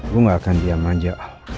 gue gak akan diam aja